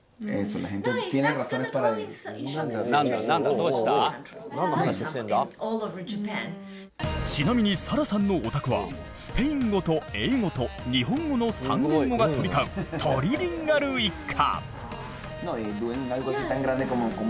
そこでちなみにサラさんのお宅はスペイン語と英語と日本語の３言語が飛び交うトリリンガル一家！